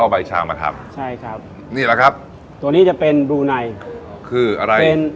ก็เอาใบชามมาทำใช่ครับนี่แหละครับตัวนี้จะเป็นคืออะไรเป็น